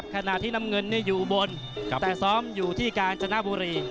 ขณะที่น้ำเงินอยู่บนแต่ซ้อมอยู่ที่กาญจนบุรี